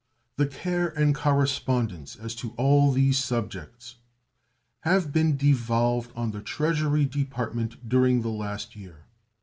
The care and correspondence as to all these subjects have been devolved on the Treasury Department during the last year.